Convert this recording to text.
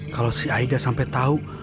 kalo si aida sampe tau